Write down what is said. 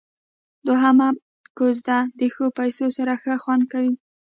دوهمه کوزده د ښو پيسو سره ښه خوند کيي.